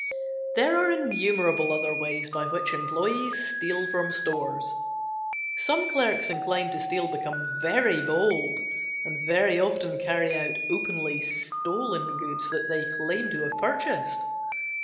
There are innumerable other ways by which employes steal from stores. Some clerks inclined to steal become very bold and very often carry out openly stolen goods that they claim to have purchased.